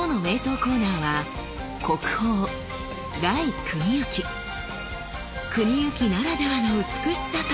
コーナーは国行ならではの美しさとは？